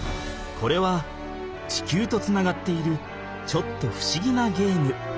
これは地球とつながっているちょっとふしぎなゲーム。